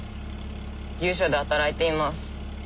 牛舎で働いています。